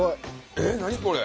えっ何これ？